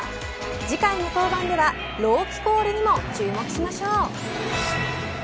次回の登板では朗希コールにも注目しましょう。